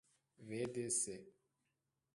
ودص